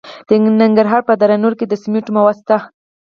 د ننګرهار په دره نور کې د سمنټو مواد شته.